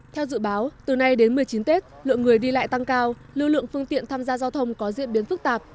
theo dự báo từ nay đến một mươi chín tết lượng người đi lại tăng cao lưu lượng phương tiện tham gia giao thông có diễn biến phức tạp